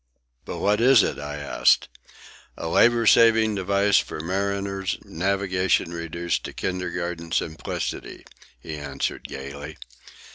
"But what is it?" I asked. "A labour saving device for mariners, navigation reduced to kindergarten simplicity," he answered gaily.